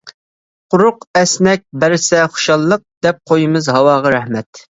قۇرۇق ئەسنەك بەرسە خۇشاللىق، دەپ قويىمىز ھاۋاغا رەھمەت.